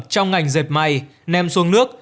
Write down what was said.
trong ngành dẹp mày nem xuống nước